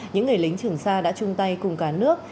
những người lính trường sa đã chung tay cùng cả nước